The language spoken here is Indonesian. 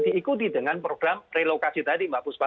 diikuti dengan program relokasi tadi mbak puspa